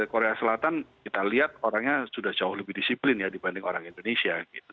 korea selatan kita lihat orangnya sudah jauh lebih disiplin ya dibanding orang indonesia